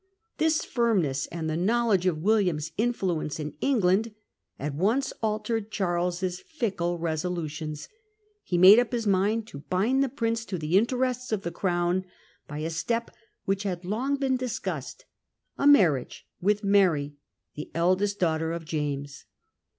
This firmness, and the knowledge of William's influence in England, at once altered Charles's fickle resolutions. He made up his mind to bind the Prince to the interests of the Crown by a step which had long been discussed — a marriage with Mary, the eldest daughter of James.